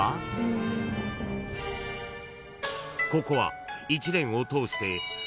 ［ここは］